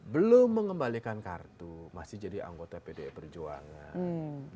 belum mengembalikan kartu masih jadi anggota pdi perjuangan